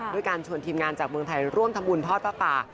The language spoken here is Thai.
ด้วยการชวนทีมงานจากเมืองไทยร่วมทำบุญทอดผ้าป่า